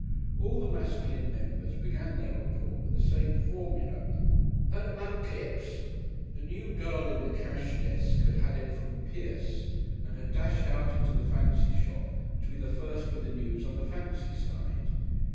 All the masculine members began their report with the same formula. "Heard about Kipps?" The new girl in the cash desk had had it from Pierce and had dashed out into the fancy shop to be the first with the news on the fancy side.